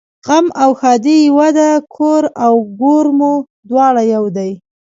غم او ښادي یوه ده کور او ګور مو دواړه یو دي